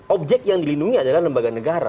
objek yang dilindungi adalah lembaga negara